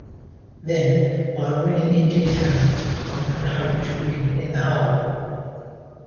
Then, by winning in detail, one can hope to win in the whole.